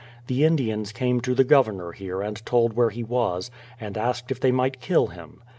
The Indians came to the Governor here and told where he was, and asked if they might kill him.